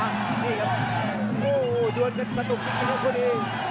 นี่ครับโอ้โหดวนกันสนุกกันอย่างพอดี